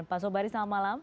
pak sobari selamat malam